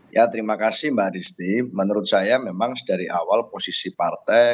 ya terima kasih mbak distri menurut saya memang dari awal posisi partai